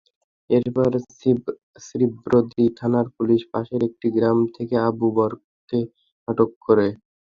এরপর শ্রীবরদী থানার পুলিশ পাশের একটি গ্রাম থেকে আবু বকরকে আটক করে।